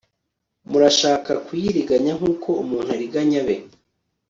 murashaka kuyiriganya nk uko umuntu ariganya abe